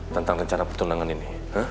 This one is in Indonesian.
tentang rencana pertunangan ini